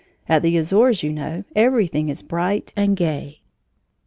At the Azores, you know, everything is bright and gay.